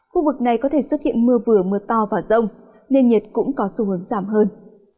khu vực này có thể xuất hiện mưa vừa mưa to và rông nên nhiệt cũng có xu hướng giảm hơn